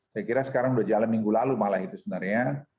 saya kira sekarang sudah jalan minggu lalu malah itu sebenarnya